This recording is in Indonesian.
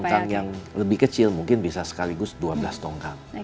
tapi kalau tongkang yang lebih kecil mungkin bisa sekaligus dua belas tongkang